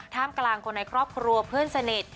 กลางคนในครอบครัวเพื่อนสนิท